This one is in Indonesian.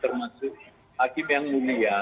termasuk hakim yang mulia